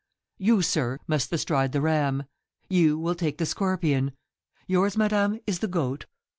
You, sir, must bestride the Ram. You will take the Scorpion. Yours, madame, is the Goat.